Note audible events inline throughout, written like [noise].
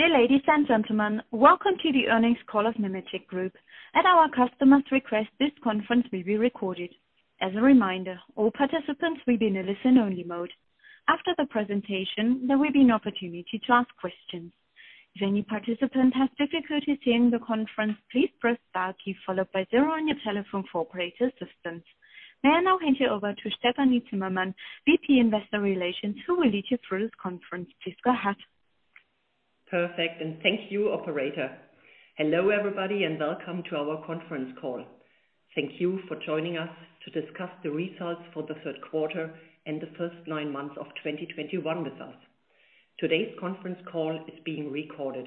Dear ladies and gentlemen, welcome to the Earnings Call of Nemetschek Group. At our customer's request, this conference will be recorded. As a reminder, all participants will be in a listen-only mode. After the presentation, there will be an opportunity to ask questions. If any participant has difficulty hearing the conference, please press star key followed by zero on your telephone for operator assistance. May I now hand you over to Stefanie Zimmermann, VP Investor Relations, who will lead you through this conference. Please go ahead. Perfect, and thank you, operator. Hello, everybody, and welcome to our Conference Call. Thank you for joining us to discuss the results for the third quarter and the first nine months of 2021 with us. Today's conference call is being recorded.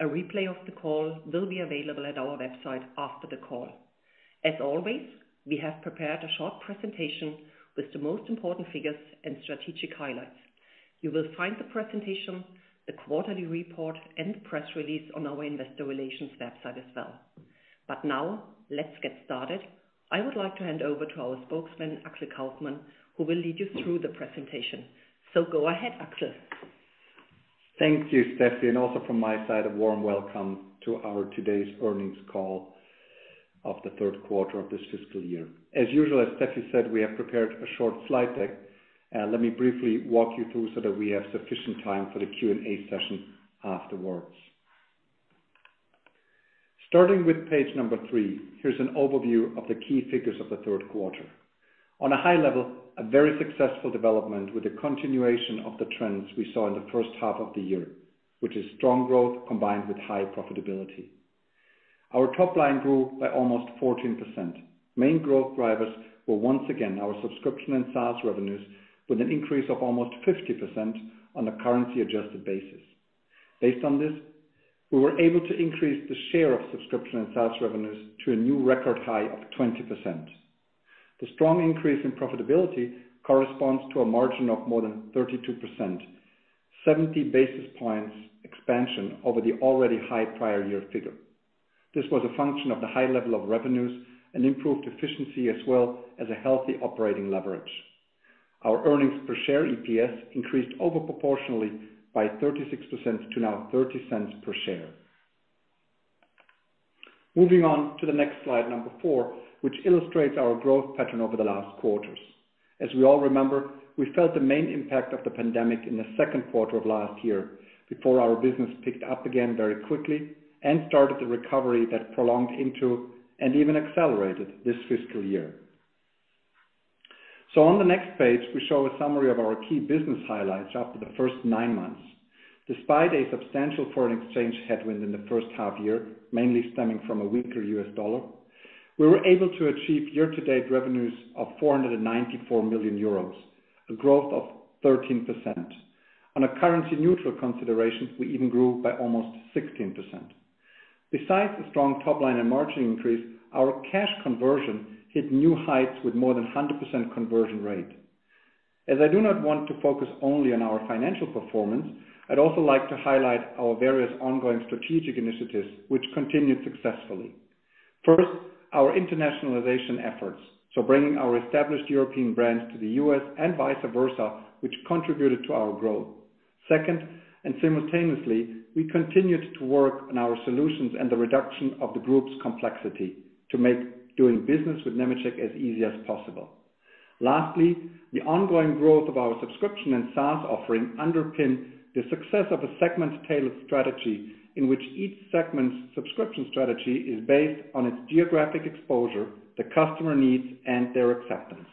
A replay of the call will be available at our website after the call. As always, we have prepared a short presentation with the most important figures and strategic highlights. You will find the presentation, the quarterly report, and press release on our investor relations website as well. Now, let's get started. I would like to hand over to our spokesman, Axel Kaufmann, who will lead you through the presentation. Go ahead, Axel. Thank you, Stefanie. Also from my side, a warm welcome to our today's Earnings Call of the Third Quarter of this Fiscal Year. As usual, as Stefanie said, we have prepared a short slide deck. Let me briefly walk you through so that we have sufficient time for the Q&A session afterwards. Starting with page number 3, here's an overview of the key figures of the third quarter. On a high level, a very successful development with a continuation of the trends we saw in the first half of the year, which is strong growth combined with high profitability. Our top line grew by almost 14%. Main growth drivers were once again our subscription and SaaS revenues, with an increase of almost 50% on a currency-adjusted basis. Based on this, we were able to increase the share of subscription and SaaS revenues to a new record high of 20%. The strong increase in profitability corresponds to a margin of more than 32%, 70 basis points expansion over the already high prior year figure. This was a function of the high level of revenues and improved efficiency as well as a healthy operating leverage. Our earnings per share, EPS, increased over proportionally by 36% to now 0.30 per share. Moving on to the next slide, number 4, which illustrates our growth pattern over the last quarters. As we all remember, we felt the main impact of the pandemic in the second quarter of last year before our business picked up again very quickly and started the recovery that prolonged into and even accelerated this fiscal year. On the next page, we show a summary of our key business highlights after the first nine months. Despite a substantial foreign exchange headwind in the first half year, mainly stemming from a weaker U.S. dollar, we were able to achieve year-to-date revenues of 494 million euros, a growth of 13%. On a currency neutral consideration, we even grew by almost 16%. Besides the strong top line and margin increase, our cash conversion hit new heights with more than 100% conversion rate. As I do not want to focus only on our financial performance, I'd also like to highlight our various ongoing strategic initiatives which continued successfully. First, our internationalization efforts, so bringing our established European brands to the U.S. and vice versa, which contributed to our growth. Second, and simultaneously, we continued to work on our solutions and the reduction of the group's complexity to make doing business with Nemetschek as easy as possible. Lastly, the ongoing growth of our subscription and SaaS offering underpin the success of a segment's tailored strategy in which each segment's subscription strategy is based on its geographic exposure, the customer needs, and their acceptance.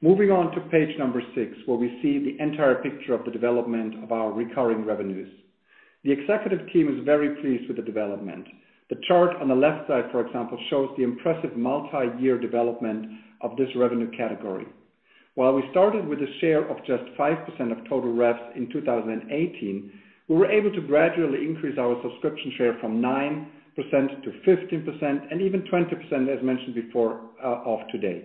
Moving on to page 6, where we see the entire picture of the development of our recurring revenues. The executive team is very pleased with the development. The chart on the left side, for example, shows the impressive multi-year development of this revenue category. While we started with a share of just 5% of total revs in 2018, we were able to gradually increase our subscription share from 9% to 15% and even 20%, as mentioned before, of today.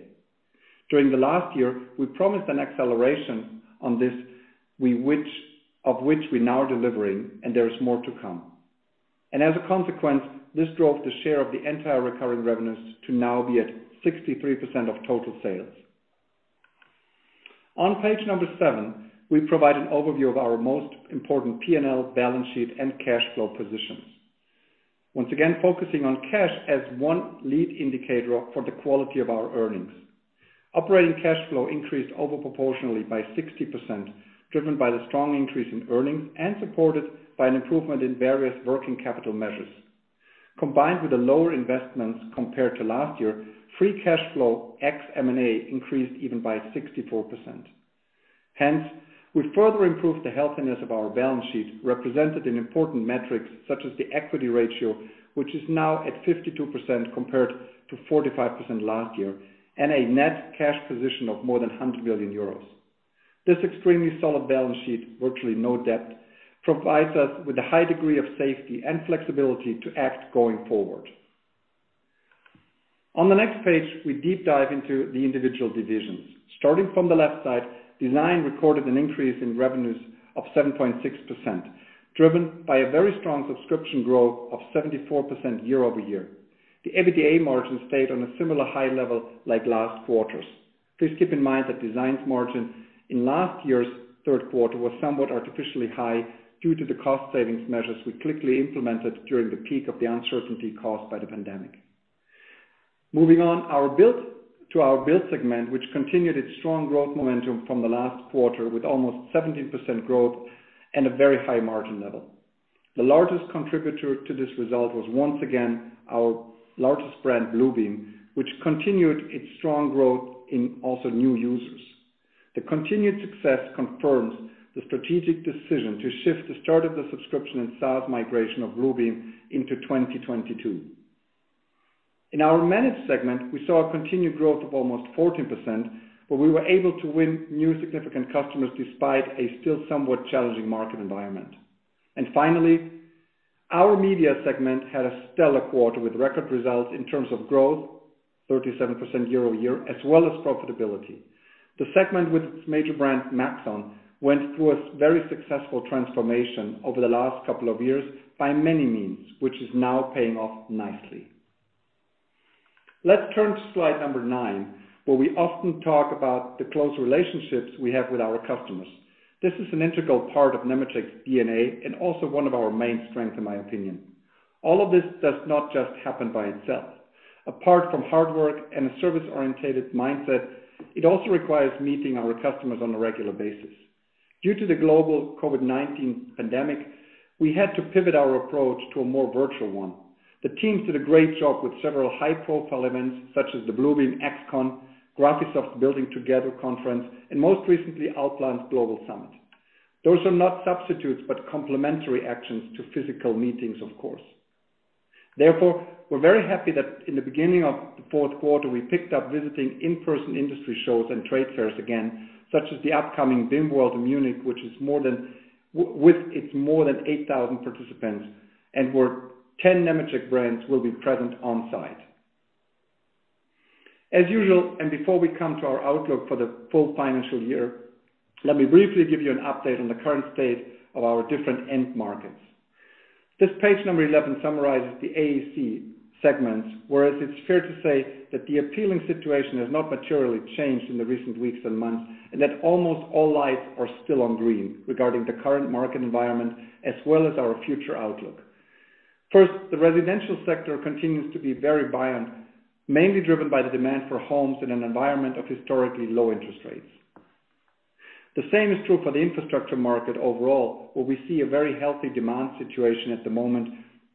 During the last year, we promised an acceleration on this, of which we now are delivering, and there is more to come. As a consequence, this drove the share of the entire recurring revenues to now be at 63% of total sales. On page 7, we provide an overview of our most important P&L balance sheet and cash flow positions. Once again, focusing on cash as one lead indicator for the quality of our earnings. Operating cash flow increased over proportionally by 60%, driven by the strong increase in earnings and supported by an improvement in various working capital measures. Combined with the lower investments compared to last year, free cash flow ex M&A increased even by 64%. Hence, we further improved the healthiness of our balance sheet, represented in important metrics such as the equity ratio, which is now at 52% compared to 45% last year, and a net cash position of more than 100 million euros. This extremely solid balance sheet, virtually no debt, provides us with a high degree of safety and flexibility to act going forward. On the next page, we deep dive into the individual divisions. Starting from the left side, design recorded an increase in revenues of 7.6%, driven by a very strong subscription growth of 74% year-over-year. The EBITDA margin stayed on a similar high level like last quarter's. Please keep in mind that Design segment's margin in last year's third quarter was somewhat artificially high due to the cost savings measures we quickly implemented during the peak of the uncertainty caused by the pandemic. Moving on to our Build segment, which continued its strong growth momentum from the last quarter with almost 17% growth and a very high margin level. The largest contributor to this result was once again our largest brand, Bluebeam, which continued its strong growth in also new users. The continued success confirms the strategic decision to shift the start of the subscription and SaaS migration of Bluebeam into 2022. In our Manage segment, we saw a continued growth of almost 14%, where we were able to win new significant customers despite a still somewhat challenging market environment. Finally, our media segment had a stellar quarter with record results in terms of growth, 37% year-over-year, as well as profitability. The segment with its major brand, Maxon, went through a very successful transformation over the last couple of years by many means, which is now paying off nicely. Let's turn to slide number 9, where we often talk about the close relationships we have with our customers. This is an integral part of Nemetschek's DNA and also one of our main strengths, in my opinion. All of this does not just happen by itself. Apart from hard work and a service-oriented mindset, it also requires meeting our customers on a regular basis. Due to the global COVID-19 pandemic, we had to pivot our approach to a more virtual one. The teams did a great job with several high-profile events such as the Bluebeam XCON, Graphisoft Building Together Conference, and most recently, Allplan's Global Summit. Those are not substitutes, but complementary actions to physical meetings, of course. Therefore, we're very happy that in the beginning of the fourth quarter, we picked up visiting in-person industry shows and trade fairs again, such as the upcoming BIM World Munich, which, with its more than 8,000 participants, and where 10 Nemetschek brands will be present on-site. As usual, and before we come to our outlook for the full financial year, let me briefly give you an update on the current state of our different end markets. This page number 11 summarizes the AEC segments, whereas it's fair to say that the overall situation has not materially changed in the recent weeks and months, and that almost all lights are still on green regarding the current market environment as well as our future outlook. First, the residential sector continues to be very buoyant, mainly driven by the demand for homes in an environment of historically low interest rates. The same is true for the infrastructure market overall, where we see a very healthy demand situation at the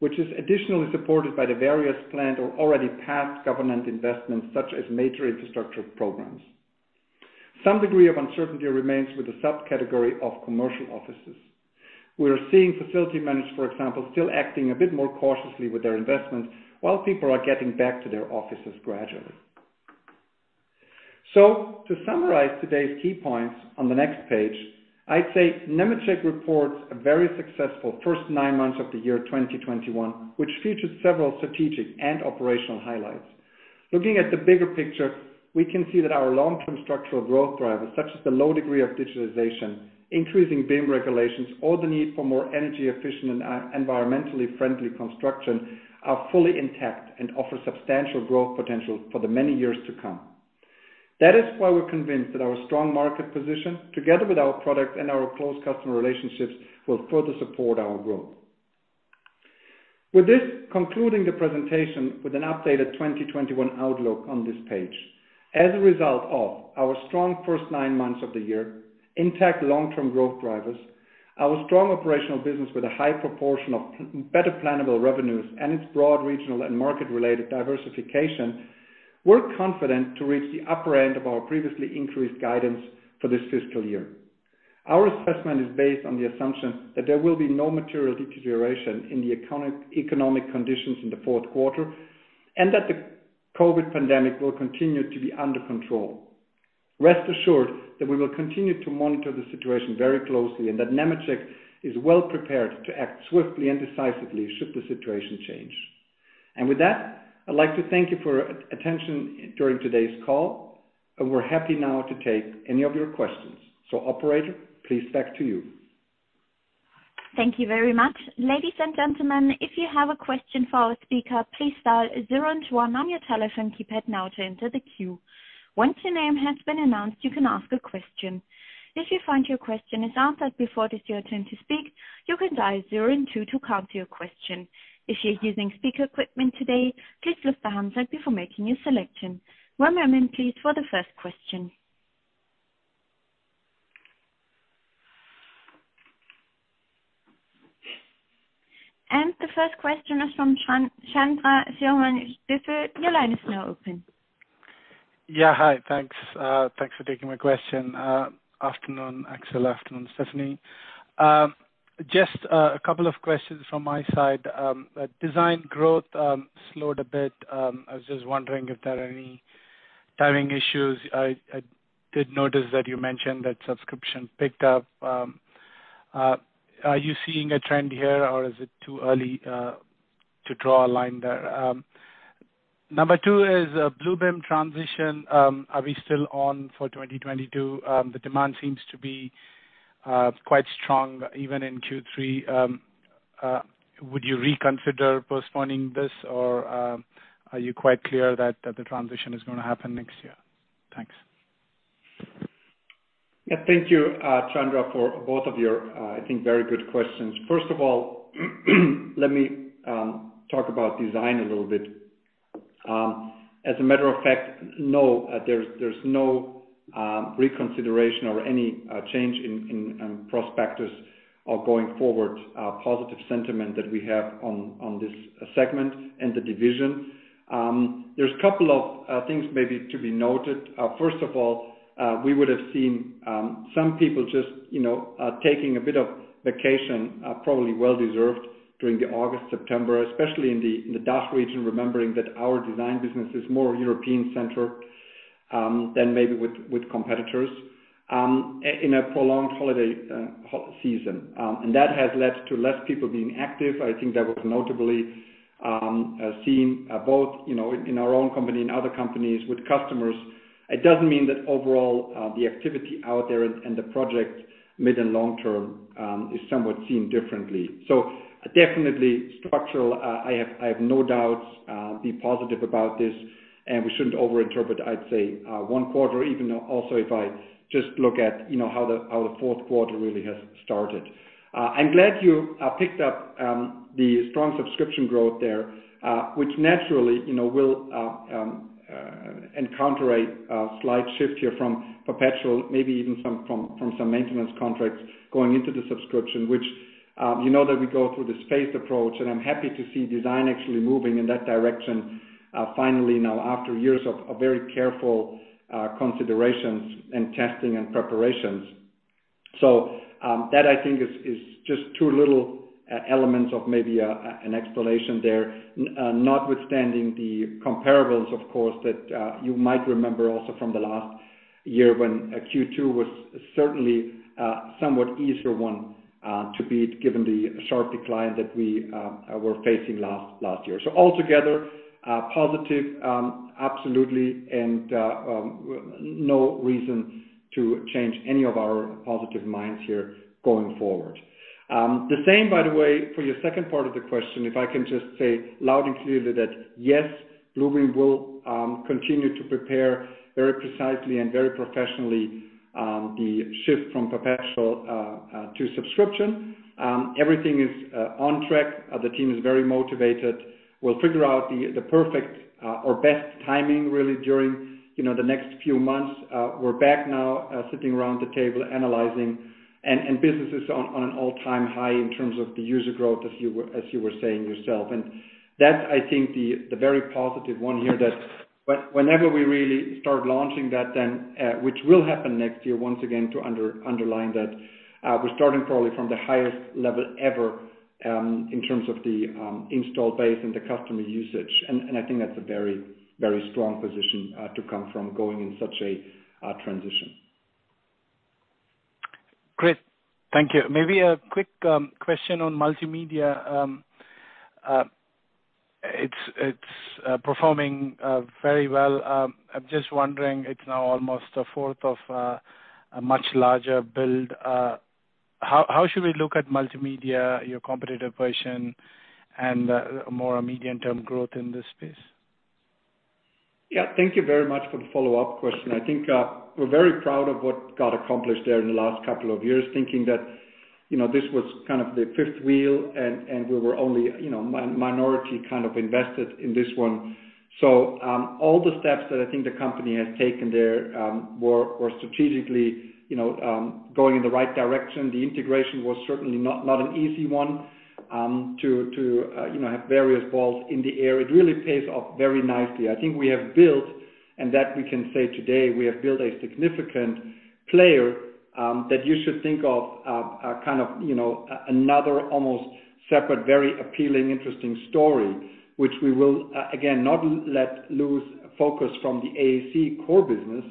moment, which is additionally supported by the various planned or already passed government investments, such as major infrastructure programs. Some degree of uncertainty remains with the subcategory of commercial offices. We are seeing facility managers, for example, still acting a bit more cautiously with their investments while people are getting back to their offices gradually. To summarize today's key points on the next page, I'd say Nemetschek reports a very successful first 9 months of the year 2021, which featured several strategic and operational highlights. Looking at the bigger picture, we can see that our long-term structural growth drivers, such as the low degree of digitalization, increasing BIM regulations, or the need for more energy efficient and environmentally friendly construction, are fully intact and offer substantial growth potential for the many years to come. That is why we're convinced that our strong market position, together with our product and our close customer relationships, will further support our growth. With this, concluding the presentation with an updated 2021 outlook on this page. As a result of our strong first nine months of the year, intact long-term growth drivers, our strong operational business with a high proportion of predictable plannable revenues and its broad regional and market-related diversification, we're confident to reach the upper end of our previously increased guidance for this fiscal year. Our assessment is based on the assumption that there will be no material deterioration in the economic conditions in the fourth quarter and that the COVID pandemic will continue to be under control. Rest assured that we will continue to monitor the situation very closely and that Nemetschek is well prepared to act swiftly and decisively should the situation change. With that, I'd like to thank you for attention during today's call, and we're happy now to take any of your questions. Operator, please back to you. Thank you very much. Ladies and gentlemen, if you have a question for our speaker, please dial zero and two on your telephone keypad now to enter the queue. Once your name has been announced, you can ask a question. If you find your question is answered before it is your turn to speak, you can dial zero and two to cancel your question. If you're using speaker equipment today, please lift the handset before making your selection. One moment, please, for the first question. The first question is from Chandra Sylvanus. Your line is now open. Yeah. Hi. Thanks. Thanks for taking my question. Afternoon, Axel. Afternoon, Stefanie. Just a couple of questions from my side. Design growth slowed a bit. I was just wondering if there are any timing issues. I did notice that you mentioned that subscription picked up. Are you seeing a trend here, or is it too early to draw a line there? Number two is Bluebeam transition. Are we still on for 2022? The demand seems to be Quite strong even in Q3. Would you reconsider postponing this, or, are you quite clear that the transition is gonna happen next year? Thanks. Yeah, thank you, Chandra, for both of your, I think, very good questions. First of all, let me talk about design a little bit. As a matter of fact, no, there's no reconsideration or any change in prospects of going forward positive sentiment that we have on this segment and the division. There's a couple of things maybe to be noted. First of all, we would have seen some people just you know taking a bit of vacation probably well-deserved during August, September, especially in the DACH region, remembering that our design business is more European-centered than maybe with competitors in a prolonged holiday season. That has led to less people being active. I think that was notably seen both, you know, in our own company and other companies with customers. It doesn't mean that overall the activity out there and the project mid and long term is somewhat seen differently. Definitely structural, I have no doubts, be positive about this, and we shouldn't overinterpret, I'd say, one quarter, even though also if I just look at, you know, how the fourth quarter really has started. I'm glad you picked up the strong subscription growth there, which naturally, you know, will encounter a slight shift here from perpetual, maybe even some from some maintenance contracts going into the subscription, which, you know that we go through the staged approach, and I'm happy to see Design actually moving in that direction, finally now after years of very careful considerations and testing and preparations. That I think is just two little elements of maybe an explanation there. Notwithstanding the comparables, of course, that you might remember also from the last year when Q2 was certainly somewhat easier one to beat, given the sharp decline that we were facing last year. Altogether, positive, absolutely, and no reason to change any of our positive minds here going forward. The same, by the way, for your second part of the question, if I can just say loud and clearly that, yes, Bluebeam will continue to prepare very precisely and very professionally the shift from perpetual to subscription. Everything is on track. The team is very motivated. We'll figure out the perfect or best timing really during, you know, the next few months. We're back now sitting around the table analyzing, and business is on an all-time high in terms of the user growth, as you were saying yourself. That's, I think, the very positive one here that whenever we really start launching that then, which will happen next year, once again, to underline that, we're starting probably from the highest level ever, in terms of the install base and the customer usage. I think that's a very, very strong position to come from going in such a transition. Great. Thank you. Maybe a quick question on multimedia. It's performing very well. I'm just wondering, it's now almost a fourth of a much larger build. How should we look at multimedia, your competitive position and more immediate-term growth in this space? Yeah. Thank you very much for the follow up question. I think, we're very proud of what got accomplished there in the last couple of years, thinking that, you know, this was kind of the fifth wheel and we were only, you know, minority kind of invested in this one. All the steps that I think the company has taken there were strategically, you know, going in the right direction. The integration was certainly not an easy one to you know, have various balls in the air. It really pays off very nicely. I think we have built, and that we can say today, a significant player that you should think of, kind of, you know, another almost separate, very appealing, interesting story, which we will, again, not lose focus from the AEC core business,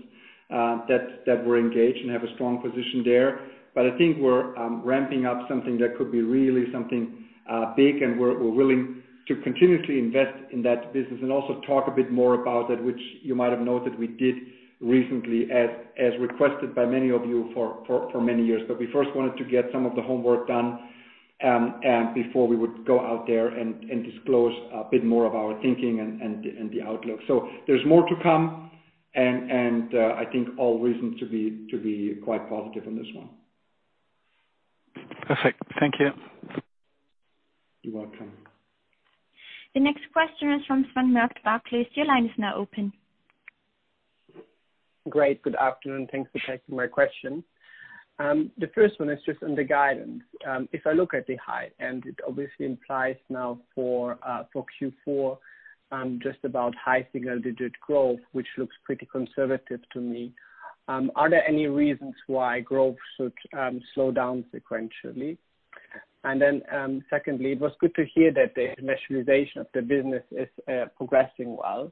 that we're engaged and have a strong position there. I think we're ramping up something that could be really something big, and we're willing to continuously invest in that business and also talk a bit more about it, which you might have noted we did recently, as requested by many of you for many years. We first wanted to get some of the homework done, before we would go out there and disclose a bit more of our thinking and the outlook. There's more to come and I think all reasons to be quite positive on this one. Perfect. Thank you. You're welcome. The next question is from Sven Merkt, Barclays. Your line is now open. Great. Good afternoon. Thanks for taking my question. The first one is just on the guidance. If I look at the high, and it obviously implies now for Q4, just about high single-digit growth, which looks pretty conservative to me, are there any reasons why growth should slow down sequentially? Secondly, it was good to hear that the internationalization of the business is progressing well.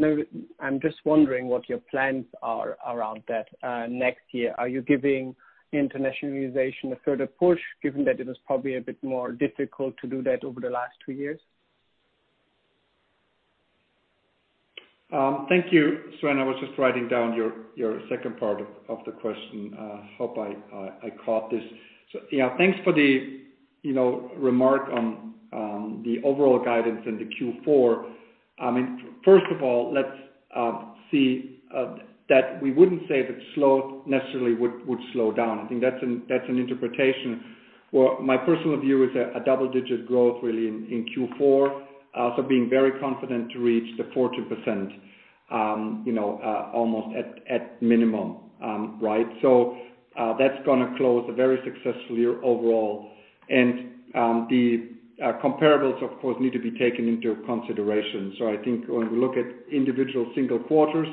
Now, I'm just wondering what your plans are around that next year. Are you giving internationalization a further push, given that it was probably a bit more difficult to do that over the last two years? Thank you, Sven. I was just writing down your second part of the question. Hope I caught this. Yeah, thanks for the, you know, remark on the overall guidance in the Q4. I mean, first of all, let's see that we wouldn't say that slow necessarily would slow down. I think that's an interpretation. Well, my personal view is a double digit growth really in Q4. Being very confident to reach the 14%, you know, almost at minimum, right? That's gonna close a very successful year overall. The comparables of course need to be taken into consideration. I think when we look at individual single quarters,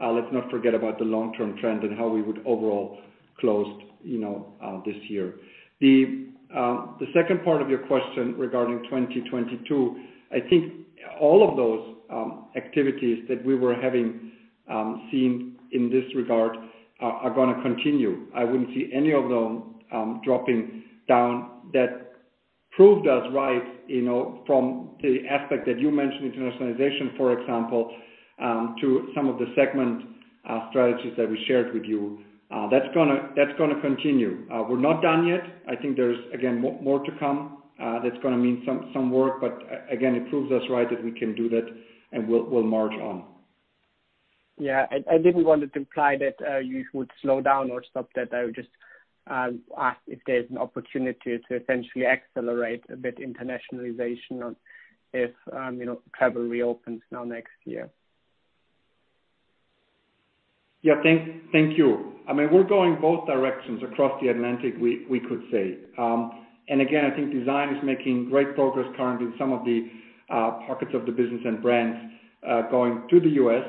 let's not forget about the long-term trend and how we would overall close, you know, this year. The second part of your question regarding 2022, I think all of those activities that we were having seen in this regard are gonna continue. I wouldn't see any of them dropping down that proved us right, you know, from the aspect that you mentioned, internationalization, for example, to some of the segment strategies that we shared with you. That's gonna continue. We're not done yet. I think there's again more to come. That's gonna mean some work, but again, it proves us right that we can do that and we'll march on. Yeah. I didn't want to imply that you would slow down or stop that. I would just ask if there's an opportunity to essentially accelerate a bit internationalization or if you know, travel reopens now next year. Yeah. Thank you. I mean, we're going both directions across the Atlantic, we could say. I think design is making great progress currently in some of the pockets of the business and brands going to the U.S.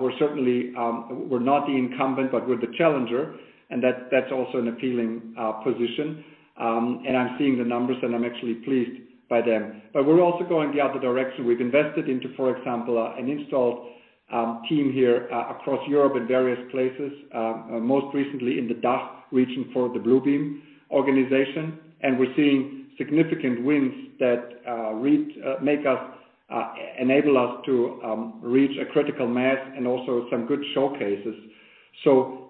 We're certainly not the incumbent, but we're the challenger and that's also an appealing position. I'm seeing the numbers and I'm actually pleased by them. We're also going the other direction. We've invested into, for example, an installed team here across Europe in various places, most recently in the DACH region for the Bluebeam organization. We're seeing significant wins that make us enable us to reach a critical mass and also some good showcases.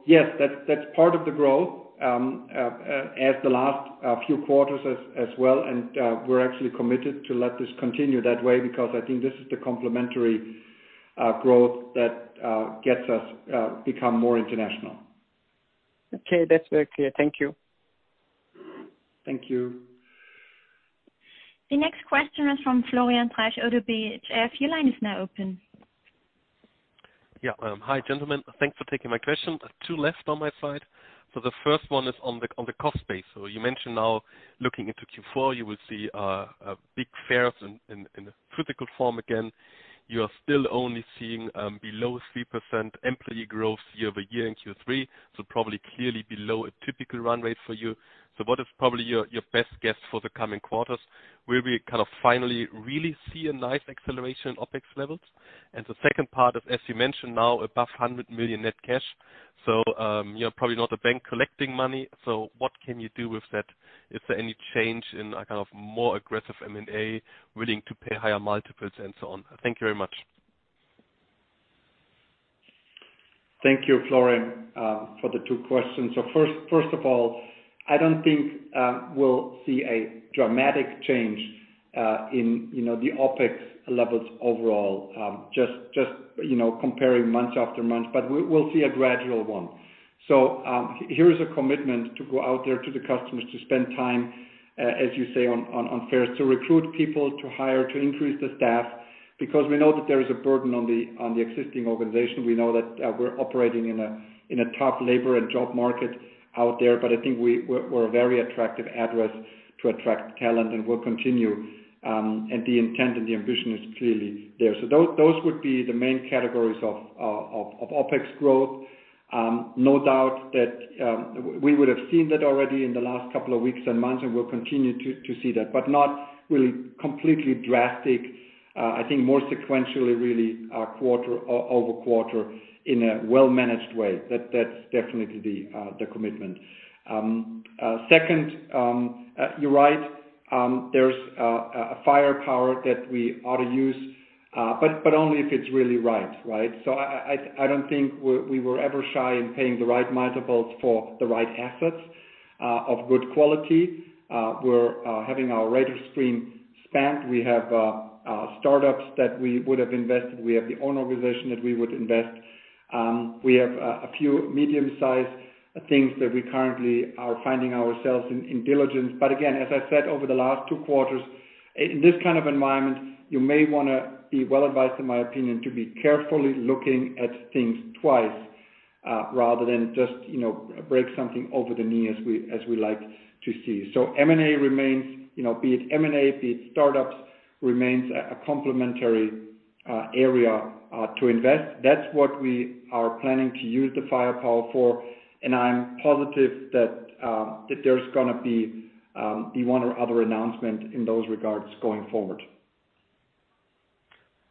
Yes, that's part of the growth as the last few quarters as well. We're actually committed to let this continue that way because I think this is the complementary growth that gets us become more international. Okay. That's very clear. Thank you. Thank you. The next question is from Florian Treisch, ODDO BHF. Your line is now open. Yeah. Hi gentlemen. Thanks for taking my question. Two left on my side. The first one is on the cost base. You mentioned now looking into Q4, you will see a big fairs in a physical form again. You are still only seeing below 3% employee growth year-over-year in Q3, so probably clearly below a typical run rate for you. What is probably your best guess for the coming quarters? Will we kind of finally really see a nice acceleration in OpEx levels? The second part is, as you mentioned now above 100 million net cash, so you're probably not a bank collecting money, so what can you do with that? Is there any change in a kind of more aggressive M&A willing to pay higher multiples and so on? Thank you very much. Thank you, Florian, for the two questions. First of all, I don't think we'll see a dramatic change in, you know, the OpEx levels overall. Just, you know, comparing month after month, but we'll see a gradual one. Here is a commitment to go out there to the customers to spend time, as you say, on fairs, to recruit people, to hire, to increase the staff because we know that there is a burden on the existing organization. We know that we're operating in a tough labor and job market out there, but I think we're a very attractive address to attract talent and we'll continue. The intent and the ambition is clearly there. Those would be the main categories of OpEx growth. No doubt that we would've seen that already in the last couple of weeks and months, and we'll continue to see that, but not really completely drastic. I think more sequentially really, quarter-over-quarter in a well-managed way. That's definitely the commitment. Second, you're right. There's a firepower that we ought to use, but only if it's really right? I don't think we were ever shy in paying the right multiples for the right assets of good quality. We're having our radar screen spanned. We have startups that we would've invested. We have the own organization that we would invest. We have a few medium-sized things that we currently are finding ourselves in diligence. Again, as I said over the last two quarters, in this kind of environment, you may wanna be well advised, in my opinion, to be carefully looking at things twice, rather than just, you know, break something over the knee as we like to see. M&A remains, you know, be it M&A, be it startups, remains a complementary area to invest. That's what we are planning to use the firepower for, and I'm positive that there's gonna be one or other announcement in those regards going forward.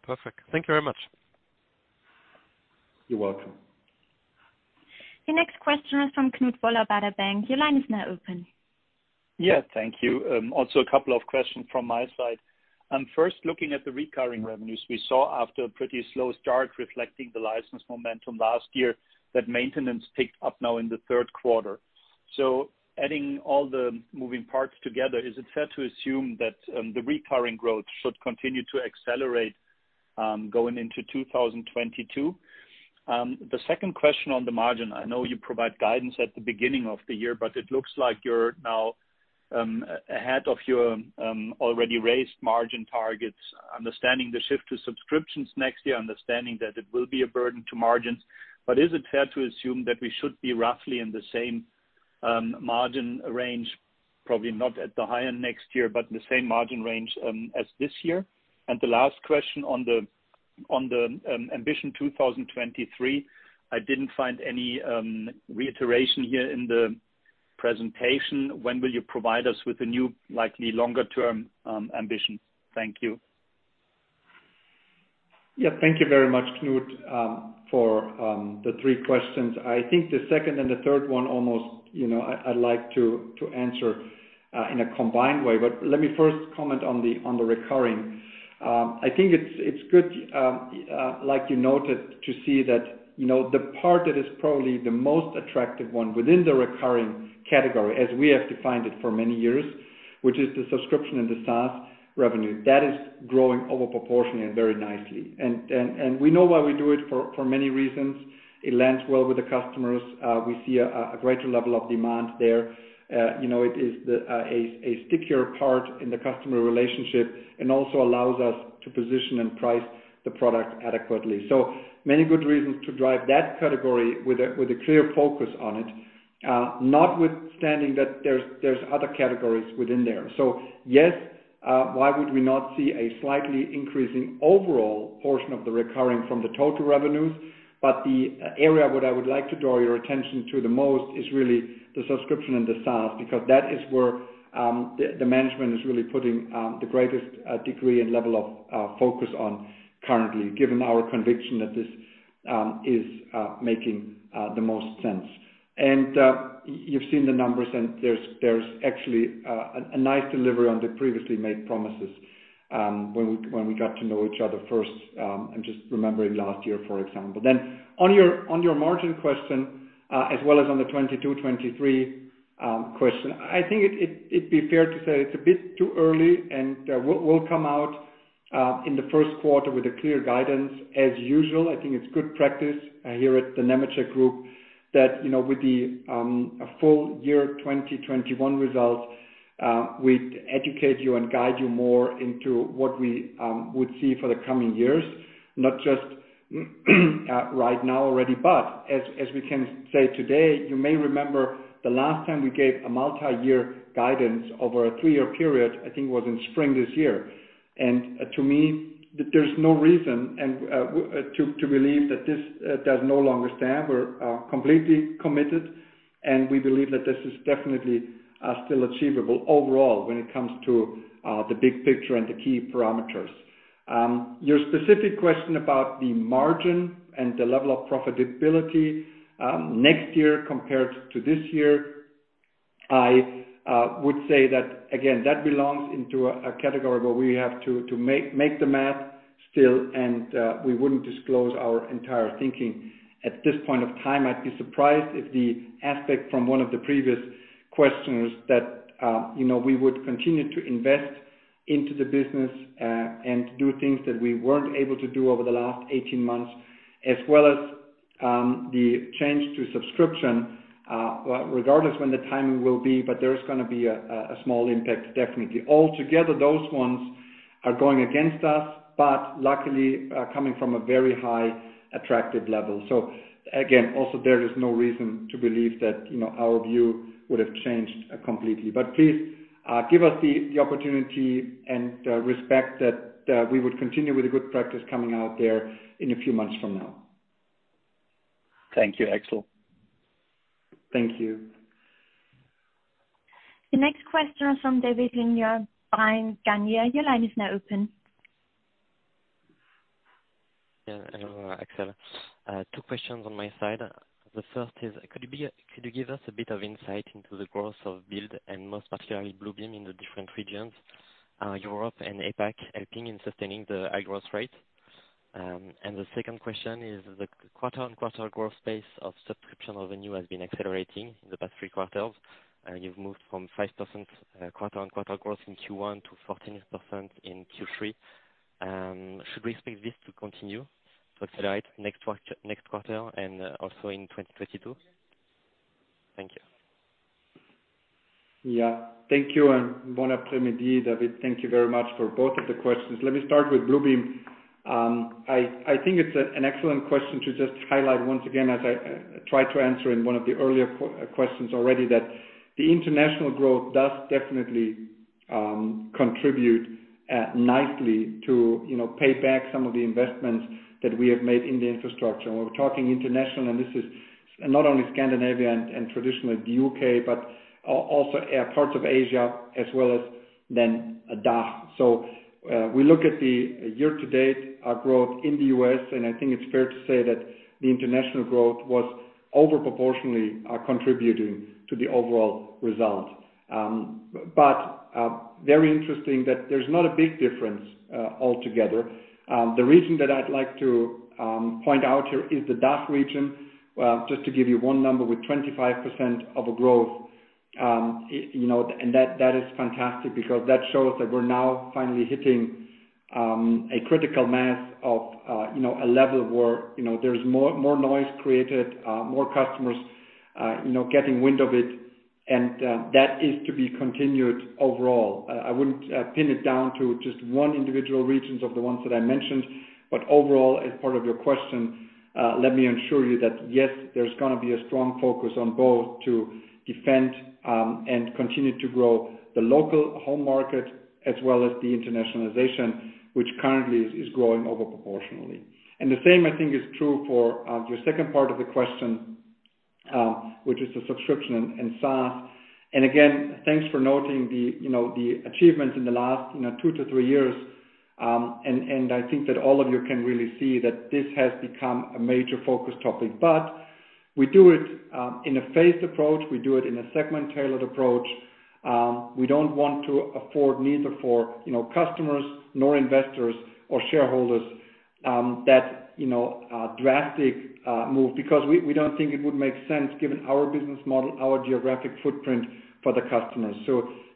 Perfect. Thank you very much. You're welcome. The next question is from Knut Woller, Baader Bank. Your line is now open. Yeah, thank you. Also a couple of questions from my side. First, looking at the recurring revenues, we saw after a pretty slow start reflecting the license momentum last year that maintenance picked up now in the third quarter. Adding all the moving parts together, is it fair to assume that the recurring growth should continue to accelerate going into 2022? The second question on the margin, I know you provide guidance at the beginning of the year, but it looks like you're now ahead of your already raised margin targets, understanding the shift to subscriptions next year, understanding that it will be a burden to margins. Is it fair to assume that we should be roughly in the same margin range, probably not at the high end next year, but the same margin range as this year? The last question on the ambition 2023, I didn't find any reiteration here in the presentation. When will you provide us with the new, likely longer-term, ambition? Thank you. Yeah, thank you very much, Knut, for the 3 questions. I think the second and the third one, almost, you know, I'd like to answer in a combined way. Let me first comment on the recurring. I think it's good, like you noted to see that, you know, the part that is probably the most attractive one within the recurring category as we have defined it for many years, which is the subscription and the SaaS revenue, that is growing over proportionally and very nicely. We know why we do it for many reasons. It lands well with the customers. We see a greater level of demand there. You know, it is a stickier part in the customer relationship and also allows us to position and price the product adequately. Many good reasons to drive that category with a clear focus on it, notwithstanding that there's other categories within there. Yes, why would we not see a slightly increasing overall portion of the recurring revenues from the total revenues? The area where I would like to draw your attention to the most is really the subscription and the SaaS, because that is where the management is really putting the greatest degree and level of focus on currently, given our conviction that this is making the most sense. You've seen the numbers, and there's actually a nice delivery on the previously made promises when we got to know each other first. I'm just remembering last year, for example. On your margin question, as well as on the 2022, 2023 question. I think it'd be fair to say it's a bit too early, and we'll come out in the first quarter with a clear guidance as usual. I think it's good practice here at the Nemetschek Group that, you know, with the full year 2021 results, we'd educate you and guide you more into what we would see for the coming years, not just right now already, but as we can say today, you may remember the last time we gave a multi-year guidance over a three-year period, I think it was in spring this year. To me, there's no reason to believe that this does no longer stand. We're completely committed, and we believe that this is definitely still achievable overall when it comes to the big picture and the key parameters. Your specific question about the margin and the level of profitability next year compared to this year, I would say that again, that belongs into a category where we have to do the math still, and we wouldn't disclose our entire thinking at this point of time. I'd be surprised if the aspect from one of the previous questions that, you know, we would continue to invest into the business, and do things that we weren't able to do over the last 18 months, as well as the change to subscription, regardless when the timing will be, but there's gonna be a small impact, definitely. Altogether, those ones are going against us, but luckily, coming from a very high, attractive level. Again, also, there is no reason to believe that, you know, our view would have changed completely. Please, give us the opportunity and respect that we would continue with a good practice coming out there in a few months from now. Thank you, Axel. Thank you. The next question is from David Ligner. [inaudible] Your line is now open. Hello, Axel. two questions on my side. The first is, could you give us a bit of insight into the growth of Build and most particularly Bluebeam in the different regions, Europe and APAC helping in sustaining the high growth rate? The second question is the quarter-over-quarter growth pace of subscription revenue has been accelerating in the past 3 quarters. You've moved from 5% quarter-over-quarter growth in Q1 to 14% in Q3. Should we expect this to continue to accelerate next quarter and also in 2022? Thank you. Yeah. Thank you, and bon après-midi, David. Thank you very much for both of the questions. Let me start with Bluebeam. I think it's an excellent question to just highlight once again as I tried to answer in one of the earlier questions already, that the international growth does definitely contribute nicely to, you know, pay back some of the investments that we have made in the infrastructure. When we're talking international, and this is not only Scandinavia and traditionally the U.K., but also parts of Asia as well as then DACH. We look at the year to date, our growth in the U.S., and I think it's fair to say that the international growth was over proportionally contributing to the overall result. Very interesting that there's not a big difference altogether. The region that I'd like to point out here is the DACH region. Just to give you one number with 25% growth, you know, and that is fantastic because that shows that we're now finally hitting a critical mass of, you know, a level where, you know, there's more noise created, more customers, you know, getting wind of it and that is to be continued overall. I wouldn't pin it down to just one individual regions of the ones that I mentioned. Overall, as part of your question, let me assure you that yes, there's gonna be a strong focus on both to defend and continue to grow the local home market as well as the internationalization, which currently is growing over proportionally. The same I think is true for your second part of the question, which is the subscription and SaaS. Again, thanks for noting the, you know, achievements in the last, you know, two to three years. I think that all of you can really see that this has become a major focus topic. We do it in a phased approach. We do it in a segment-tailored approach. We don't want to afford neither for, you know, customers nor investors or shareholders, that, you know, drastic move because we don't think it would make sense given our business model, our geographic footprint for the customers.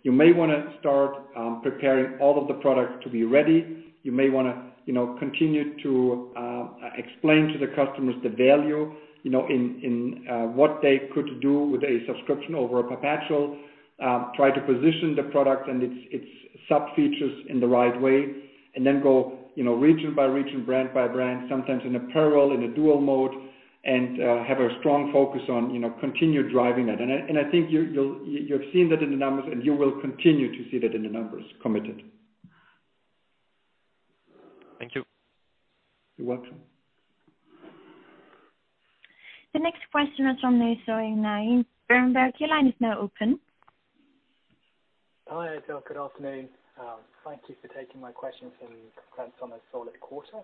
You may wanna start preparing all of the products to be ready. You may wanna, you know, continue to explain to the customers the value, you know, in what they could do with a subscription over a perpetual. Try to position the product and its sub features in the right way and then go, you know, region by region, brand by brand, sometimes in a parallel, in a dual mode and have a strong focus on, you know, continue driving that. I think you've seen that in the numbers, and you will continue to see that in the numbers committed. Thank you. You're welcome. The next question is from Nay Soe Naing. Berenberg, your line is now open. Hi, Axel. Good afternoon. Thank you for taking my questions and congrats on a solid quarter.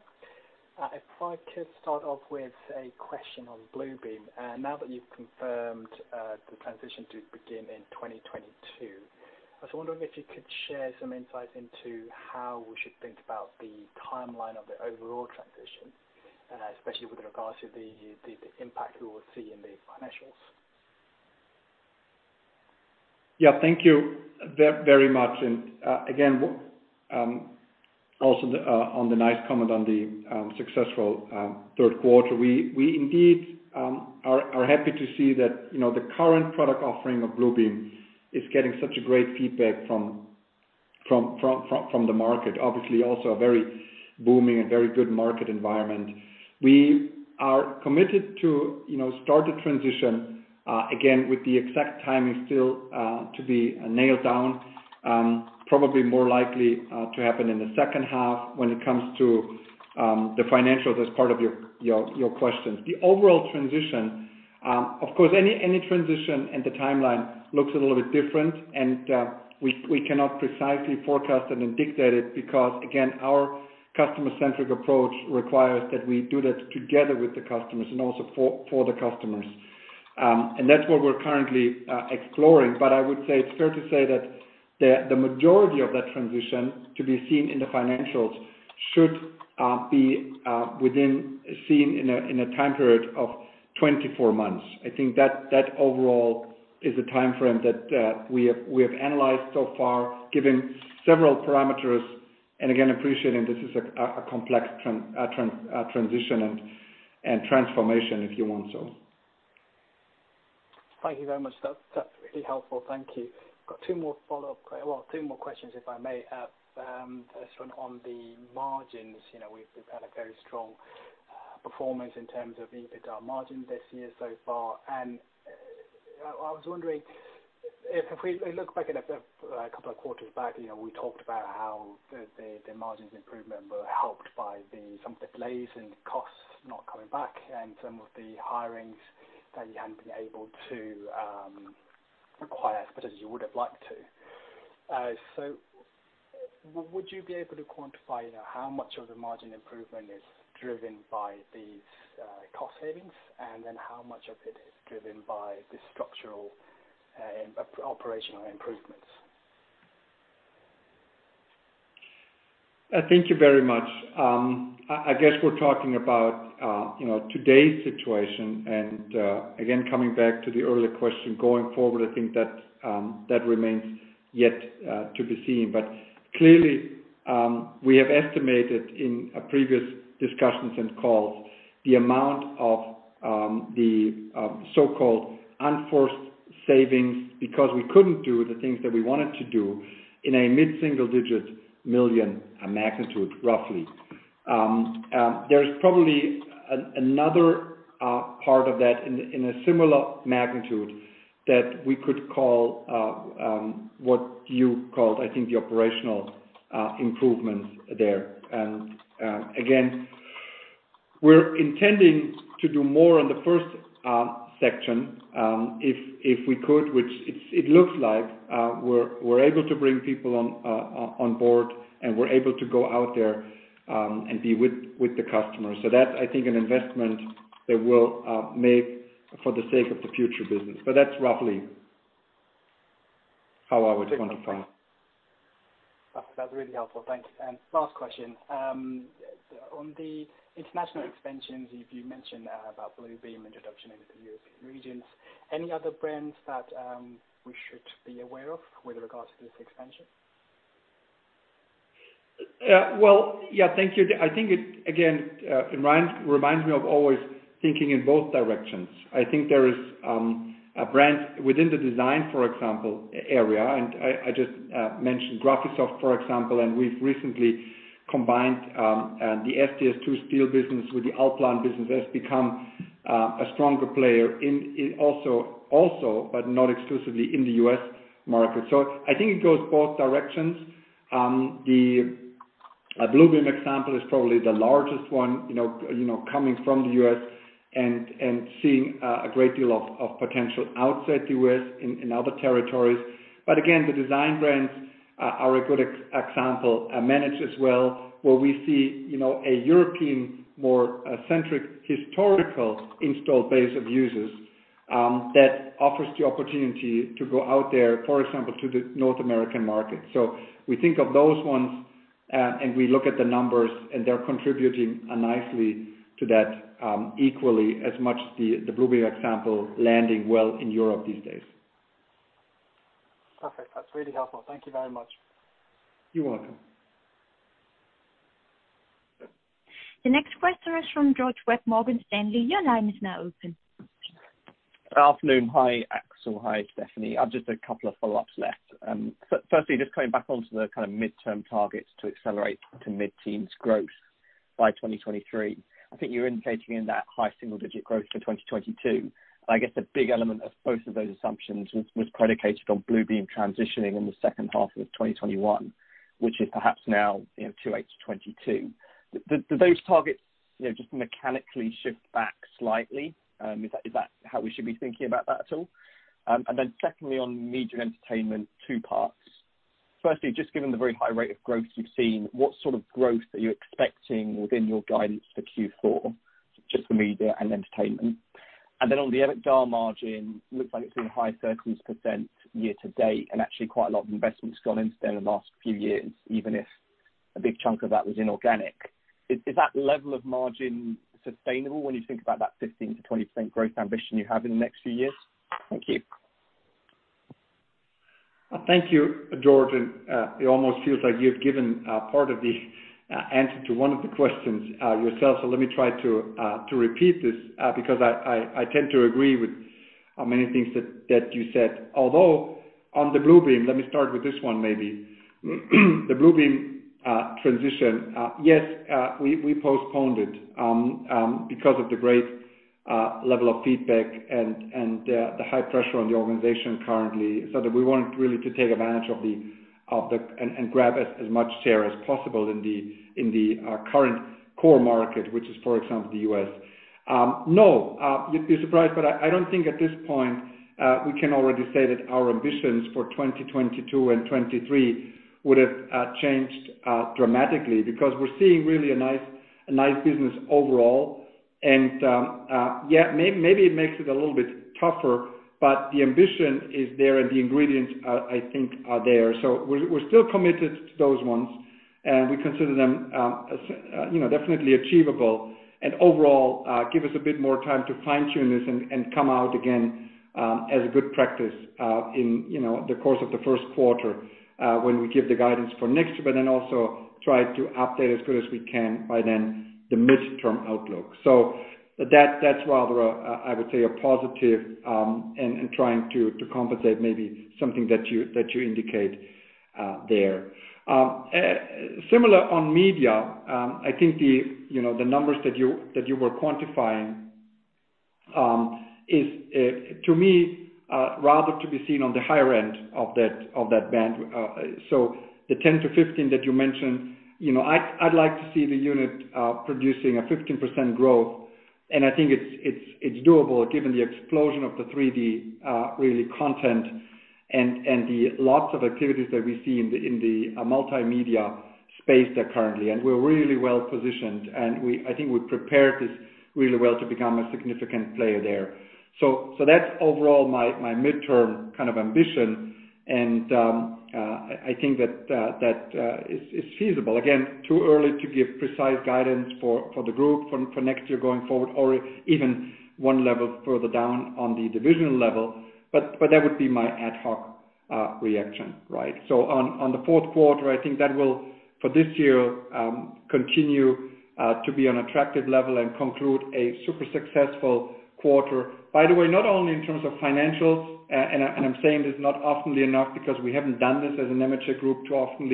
If I could start off with a question on Bluebeam. Now that you've confirmed the transition to begin in 2022, I was wondering if you could share some insights into how we should think about the timeline of the overall transition, especially with regards to the impact we will see in the financials. Yeah. Thank you very much. Again, also on the nice comment on the successful third quarter. We indeed are happy to see that, you know, the current product offering of Bluebeam is getting such a great feedback from the market. Obviously also a very booming and very good market environment. We are committed to, you know, start the transition again with the exact timing still to be nailed down. Probably more likely to happen in the second half when it comes to the financials as part of your question. The overall transition, of course, any transition and the timeline looks a little bit different and we cannot precisely forecast and then dictate it because again, our customer-centric approach requires that we do that together with the customers and also for the customers. That's what we're currently exploring. I would say it's fair to say that the majority of that transition to be seen in the financials should be seen in a time period of 24 months. I think that overall is the timeframe that we have analyzed so far, given several parameters. Appreciating this is a complex transition and transformation if you want so. Thank you very much. That's really helpful. Thank you. Got two more follow-up—well, two more questions if I may add. First one on the margins. You know, we've had a very strong performance in terms of EBITDA margin this year so far. I was wondering if we look back at a couple of quarters back, you know, we talked about how the margin improvements were helped by some of the delays and costs not coming back and some of the hirings that you hadn't been able to acquire as much as you would've liked to. So would you be able to quantify, you know, how much of the margin improvement is driven by these cost savings, and then how much of it is driven by the structural operational improvements? Thank you very much. I guess we're talking about you know, today's situation and again, coming back to the earlier question going forward, I think that that remains yet to be seen. Clearly, we have estimated in previous discussions and calls the amount of the so-called unforced savings because we couldn't do the things that we wanted to do in a mid-single-digit million EUR magnitude roughly. There's probably another part of that in a similar magnitude that we could call what you called, I think, the operational improvements there. We're intending to do more on the first section if we could, which it looks like we're able to bring people on board and we're able to go out there and be with the customers. That's I think an investment that we'll make for the sake of the future business. That's roughly how I would quantify it. That's really helpful. Thanks. Last question. On the international expansions, as you mentioned about Bluebeam introduction into the European regions, any other brands that we should be aware of with regards to this expansion? Well, yeah, thank you. I think it again reminds me of always thinking in both directions. I think there is a brand within the design, for example, area, and I just mentioned Graphisoft, for example, and we've recently combined the SDS/2 steel business with the ALLPLAN business has become a stronger player in also but not exclusively in the U.S. market. I think it goes both directions. The Bluebeam example is probably the largest one, you know, coming from the U.S. and seeing a great deal of potential outside the U.S. in other territories. Again, the design brands are a good example, managed as well, where we see a more European-centric historical installed base of users that offers the opportunity to go out there, for example, to the North American market. We think of those ones, and we look at the numbers, and they're contributing nicely to that, equally as much the Bluebeam example landing well in Europe these days. Perfect. That's really helpful. Thank you very much. You're welcome. The next question is from George Webb, Morgan Stanley. Your line is now open. Afternoon. Hi, Axel. Hi, Stefanie. I have just a couple of follow-ups left. First, just coming back onto the kinda midterm targets to accelerate to mid-teens growth by 2023, I think you're indicating in that high single-digit growth for 2022. I guess a big element of both of those assumptions was predicated on Bluebeam transitioning in the second half of 2021, which is perhaps now, you know, too late to 2022. Do those targets, you know, just mechanically shift back slightly? Is that how we should be thinking about that at all? Then secondly, on media and entertainment, two parts. First, just given the very high rate of growth you've seen, what sort of growth are you expecting within your guidance for Q4, just for media and entertainment? On the EBITDA margin, looks like it's in the high 30s% year to date and actually quite a lot of investments gone into there in the last few years, even if a big chunk of that was inorganic. Is that level of margin sustainable when you think about that 15%-20% growth ambition you have in the next few years? Thank you. Thank you, George. It almost feels like you've given part of the answer to one of the questions yourself. Let me try to repeat this because I tend to agree with many things that you said. Although on the Bluebeam, let me start with this one maybe. The Bluebeam transition, yes, we postponed it because of the great level of feedback and the high pressure on the organization currently, so that we want really to take advantage and grab as much share as possible in the current core market, which is, for example, the U.S. No, you'd be surprised, but I don't think at this point we can already say that our ambitions for 2022 and 2023 would have changed dramatically because we're seeing really a nice business overall. Yeah, maybe it makes it a little bit tougher, but the ambition is there and the ingredients I think are there. We're still committed to those ones, and we consider them you know definitely achievable and overall give us a bit more time to fine-tune this and come out again as a good practice in you know the course of the first quarter when we give the guidance for next year, but then also try to update as good as we can by then the midterm outlook. That's rather a positive and trying to compensate maybe something that you indicate there. Similar on media. I think you know, the numbers that you were quantifying is to me rather to be seen on the higher end of that band. The 10-15 that you mentioned, you know, I'd like to see the unit producing a 15% growth, and I think it's doable given the explosion of the 3D really content and the lots of activities that we see in the multimedia space there currently. We're really well-positioned. I think we prepared this really well to become a significant player there. That's overall my midterm kind of ambition. I think that is feasible. Again, too early to give precise guidance for the group for next year going forward or even one level further down on the divisional level. That would be my ad hoc reaction, right? On the fourth quarter, I think that will for this year continue to be an attractive level and conclude a super successful quarter. By the way, not only in terms of financials, and I'm saying this not often enough because we haven't done this as a Nemetschek Group too often,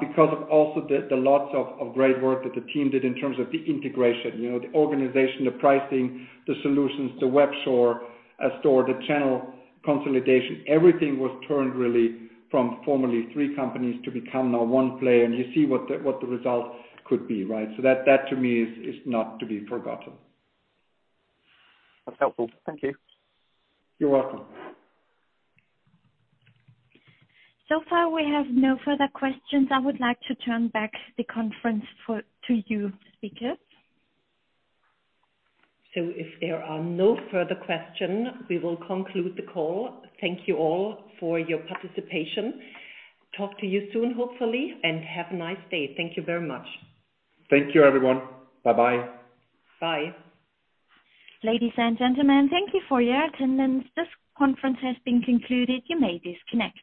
because of also the lots of great work that the team did in terms of the integration, you know, the organization, the pricing, the solutions, the webstore, store, the channel consolidation. Everything was turned really from formerly three companies to become now one player. You see what the result could be, right? So that to me is not to be forgotten. That's helpful. Thank you. You're welcome. So far, we have no further questions. I would like to turn back the conference over to you, speakers. If there are no further questions, we will conclude the call. Thank you all for your participation. Talk to you soon, hopefully, and have a nice day. Thank you very much. Thank you, everyone. Bye-bye. Bye. Ladies and gentlemen, thank you for your attendance. This conference has been concluded. You may disconnect.